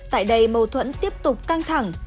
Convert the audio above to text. tại đây mâu thuẫn tiếp tục căng thẳng